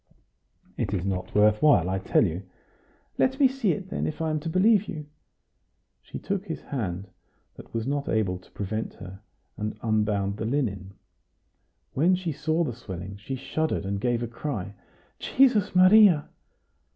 "It is not worth while, I tell you." "Let me see it then, if I am to believe you." She took his hand, that was not able to prevent her, and unbound the linen. When she saw the swelling, she shuddered, and gave a cry: "Jesus Maria!"